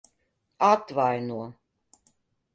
Atvaino.